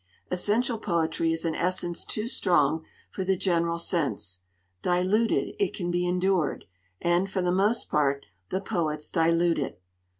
Essential poetry is an essence too strong for the general sense; diluted, it can be endured; and, for the most part, the poets dilute it.